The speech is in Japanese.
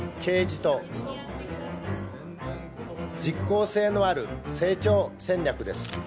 実効性のある成長戦略です。